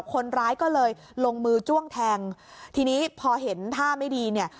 คนร้ายก็เลยลงมือจ้วงแทงทีนี้พอเห็นท่าไม่ดีเนี่ย